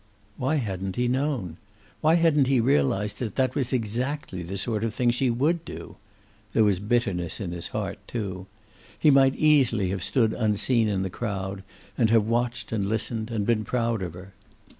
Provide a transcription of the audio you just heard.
Why hadn't he known? Why hadn't he realized that that was exactly the sort of thing she would do? There was bitterness in his heart, too. He might easily have stood unseen in the crowd, and have watched and listened and been proud of her.